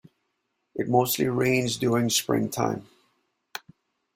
It mostly rains during spring time.